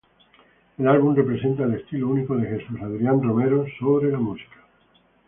El álbum representa el estilo único de Jesús Adrián Romero sobre la música.